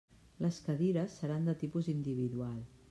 Les cadires seran de tipus individual.